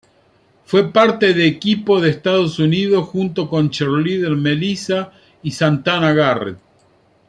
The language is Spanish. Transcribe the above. Fue parte de equipo de Estados Unidos junto con Cheerleader Melissa y Santana Garrett.